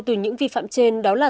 từ những vi phạm trên đó là